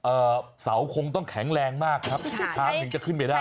เสาคงต้องแข็งแรงมากครับช้างถึงจะขึ้นไปได้